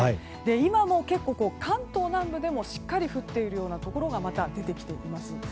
今も結構、関東南部でもしっかり降っているところがまた出てきています。